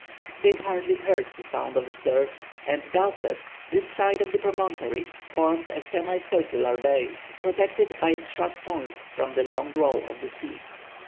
They hardly heard the sound of the surf, and doubtless, this side of the promontory formed a semi circular bay, protected by its sharp point from the long roll of the sea.